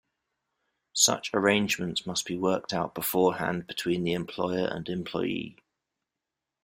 Such arrangements must be worked out beforehand between the employer and employee.